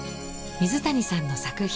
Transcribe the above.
水谷さんの作品。